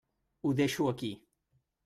Ho deixo aquí.